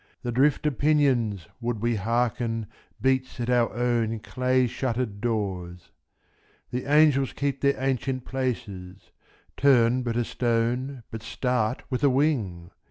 The drift of pinions, would we hearken, Beats at our own clay shuttered doors. The angels keep their ancient places; Turn but a stone, but start a wing!